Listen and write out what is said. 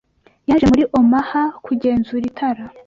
yaje muri Omaha kugenzura itara